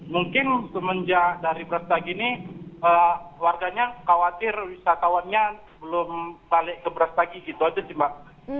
mungkin semenjak dari brastagi ini warganya khawatir wisatawannya belum balik ke brastagi gitu aja sih pak